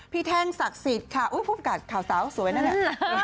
พี่แท่งศักดิ์สิทธิ์ค่ะอุ้ยผู้ประกาศขาวสาวสวยนะเนี่ย